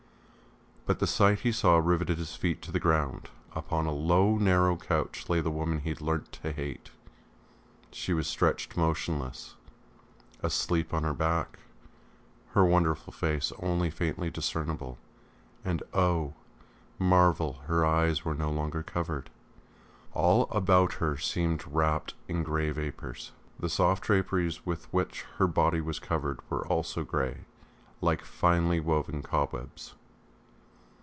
But the sight he saw riveted his feet to the ground: upon a low narrow couch lay the woman he had learnt to hate. She was stretched motionless, asleep on her back, her wonderful face only faintly discernible and oh! marvel, her eyes were no longer covered. All about her seemed wrapped in grey vapours; the soft draperies with which her body was covered were also grey, like finely woven cobwebs.